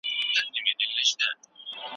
که مسواک وکارول شي نو اجر به یې حاصل شي.